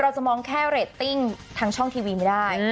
เราจะมองแค่เรตติ้งทางช่องทีวีไม่ได้